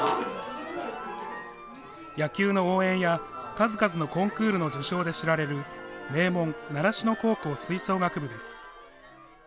野球の応援や、数々のコンクールの受賞で知られる名門・習志野高校吹奏楽部です。